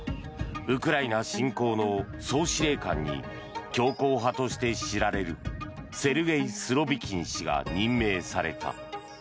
ウクライナ侵攻の総司令官に強硬派として知られるセルゲイ・スロビキン氏が任命された。